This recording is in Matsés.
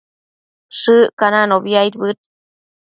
Shëccananobi aidbëd